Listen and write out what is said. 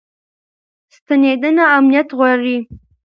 ستنېدنه امنیت غواړي.